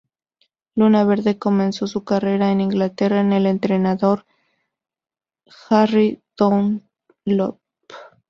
Luna Verde comenzó su carrera en Inglaterra con el entrenador Harry Dunlop.